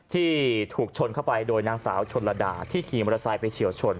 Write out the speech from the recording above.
ที่ถูกชนเข้าไปโดยนางสาวชนระดาที่ขี่มอเตอร์ไซค์ไปเฉียวชน